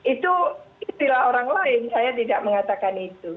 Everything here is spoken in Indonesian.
itu istilah orang lain saya tidak mengatakan itu